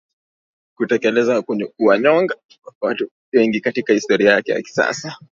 kutekeleza kuwanyonga watu wengi katika historia yake ya sasa